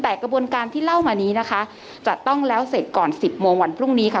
แต่กระบวนการที่เล่ามานี้นะคะจะต้องแล้วเสร็จก่อนสิบโมงวันพรุ่งนี้ค่ะ